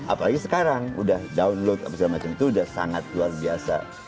apalagi sekarang udah download apa segala macam itu sudah sangat luar biasa